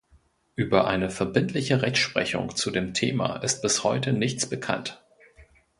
Über eine verbindliche Rechtsprechung zu dem Thema ist bis heute nichts bekannt.